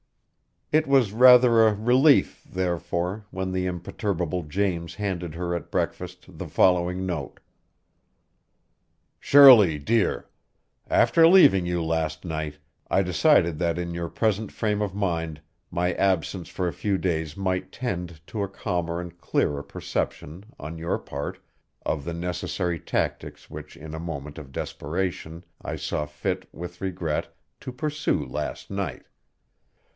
It was rather a relief, therefore, when the imperturbable James handed her at breakfast the following note: Shirley, Dear After leaving you last night, I decided that in your present frame of mind my absence for a few days might tend to a calmer and clearer perception, on your part, of the necessary tactics which in a moment of desperation, I saw fit, with regret, to pursue last night.